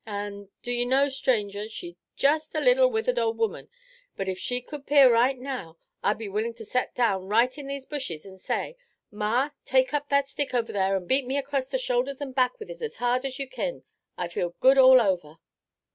An', do you know, stranger, she's just a leetle, withered old woman, but if she could 'pear here right now I'd be willin' to set down right in these bushes an' say, 'Ma, take up that stick over thar an' beat me across the shoulders an' back with it as hard as you kin.' I'd feel good all over."